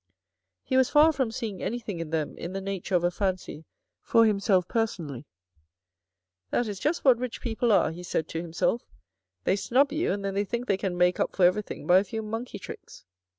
He was far from seeing anything in them in the nature of a fancy for himself personally. "That is just what rich people are," he said to himself —" they snub you and then they think they can make up for everything by a few monkey tricks."